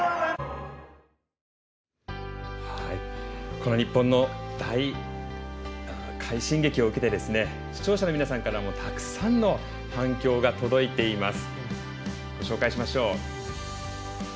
この日本の大快進撃を受けて視聴者の皆さんからもたくさんの反響が届いています。